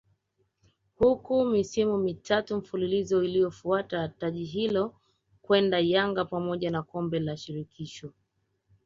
huku misimu mitatu mfululizo iliyofuata taji hilo kwenda Yanga pamoja na Kombe la Shirikisho